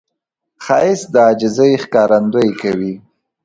ښایست د عاجزي ښکارندویي کوي